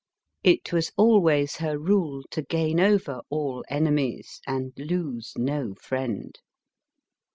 It was always her rule to gain over all enemies, and lose no friend.